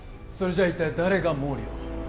それじゃ一体誰が毛利を？